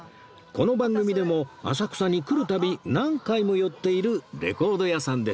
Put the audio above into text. この番組でも浅草に来る度何回も寄っているレコード屋さんです